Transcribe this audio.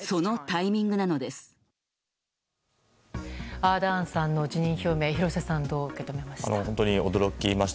アーダーンさんの辞任表明廣瀬さんはどう受け止めました？